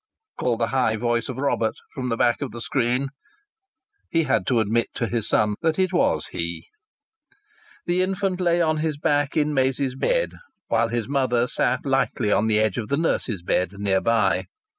called the high voice of Robert from the back of the screen. He had to admit to his son that it was he. The infant lay on his back in Maisie's bed, while his mother sat lightly on the edge of nurse's bed near by.